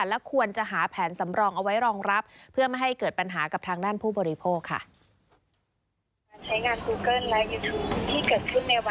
และควรจะหาแผนสำรองเอาไว้รองรับเพื่อไม่ให้เกิดปัญหากับทางด้านผู้บริโภคค่ะ